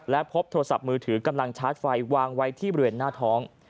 และพบโทรศัพท์มือถือกำลังชาร์จไฟวางไว้ที่บริเวณหน้าท้อง